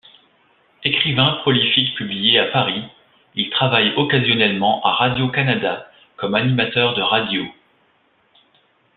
Écrivain prolifique publié à Paris, il travaille occasionnellement à Radio-Canada comme animateur de radio.